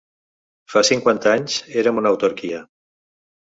Fa cinquanta anys érem una autarquia.